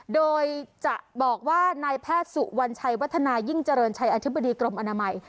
โดยจะบอกว่านายแพทย์สุวรรณชัยวัฒนายิ่งเจริญชัยอธิบดีกรมอนามัย